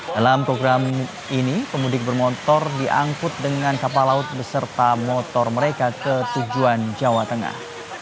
dalam program ini pemudik bermotor diangkut dengan kapal laut beserta motor mereka ke tujuan jawa tengah